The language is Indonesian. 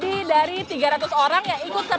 jadi ini sudah ada di seluruh panggung utama